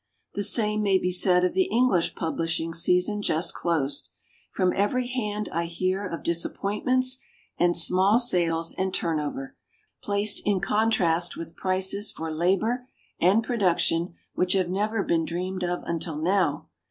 The same may be said of the English pub lishing season just closed. From every hand I hear of disappointments and small sales and turnover, placed in contrast with prices for labor and pro duction which have never been dreamed of until now.